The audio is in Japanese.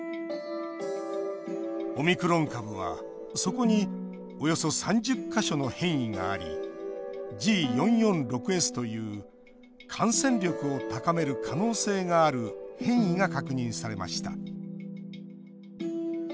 オミクロン株は、そこにおよそ３０か所の変異がありＧ４４６Ｓという感染力を高める可能性がある変異が確認されました。